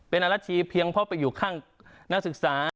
เป็นอรัชชีเพียงเพราะไปอยู่ข้างนักศึกษา